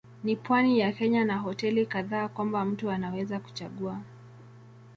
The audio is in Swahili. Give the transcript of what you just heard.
Ni pwani ya Kenya na hoteli kadhaa kwamba mtu anaweza kuchagua.